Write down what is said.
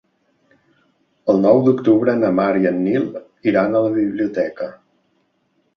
El nou d'octubre na Mar i en Nil iran a la biblioteca.